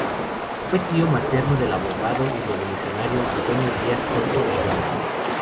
Fue tío materno del abogado y revolucionario Antonio Díaz Soto y Gama.